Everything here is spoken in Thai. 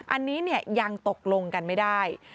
อันนี้ยังตกลงกันไม่ได้